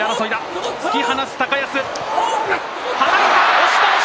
押し倒し。